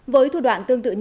với thủ đoạn tương tự như